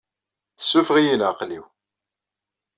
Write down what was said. Tessuffɣeḍ-iyi i leɛqel-iw.